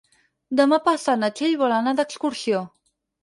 Demà passat na Txell vol anar d'excursió.